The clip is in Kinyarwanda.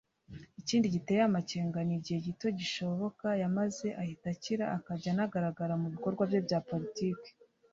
Ikindi giteye amakenga ni igihe gito gishoboka yamaze ahita akira akajya anagaragara mu bikorwa bye bya politiki